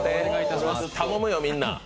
頼むよ、みんな。